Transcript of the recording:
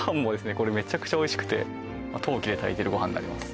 これメチャクチャおいしくて陶器で炊いてるご飯になります